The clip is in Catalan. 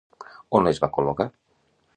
On les va col·locar?